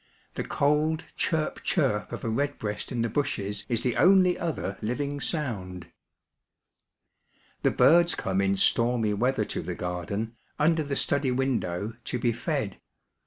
The cold chirp, chirp of a redbreast in the bushes is the only other Uving sound. The birds come in stormy weather to the garden, under the study window, to be fed.